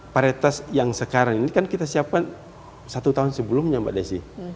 paritas yang sekarang ini kan kita siapkan satu tahun sebelumnya mbak desi